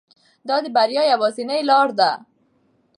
دا د بریا یوازینۍ لاره ده.